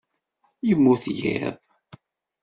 Yemmut yiḍ.